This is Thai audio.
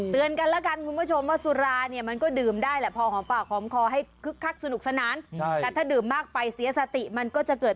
เตือนกันแหละนะมันก็แน่กันว่าสุรากินได้